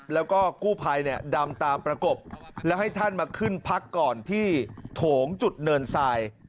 แล้วก็กู้ภัยเนี่ยดำตามประกบแล้วให้ท่านมาขึ้นพักก่อนที่โถงจุดเนินทราย